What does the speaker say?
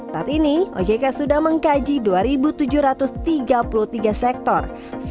saat ini ojk sudah mengkaji dua tujuh ratus tiga puluh tiga sektor